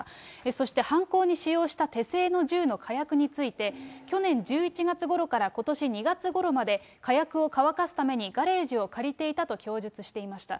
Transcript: そして犯行に使用した手製の銃の火薬について、去年１１月ごろからことし２月ごろまで、火薬を乾かすためにガレージを借りていたと供述していました。